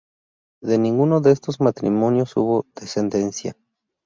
De ninguno de estos matrimonios hubo descendencia.